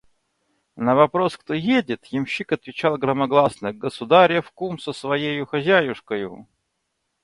На вопрос: кто едет? – ямщик отвечал громогласно: «Государев кум со своею хозяюшкою».